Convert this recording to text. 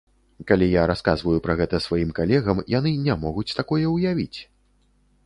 Калі я расказваю пра гэта сваім калегам, яны не могуць такое ўявіць.